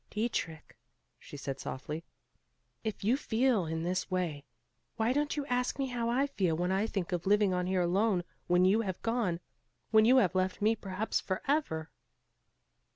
"Dietrich," she said softly, "if you feel in this way, why don't you ask me how I feel, when I think of living on here alone when you have gone; when you have left me perhaps forever?"